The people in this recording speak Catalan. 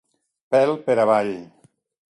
Pèl per avall.